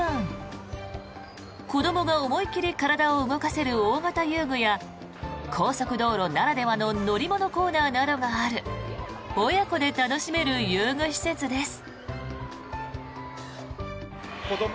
子どもが思い切り体を動かせる大型遊具や高速道路ならではの乗り物コーナーなどがある親子で楽しめる遊具施設です。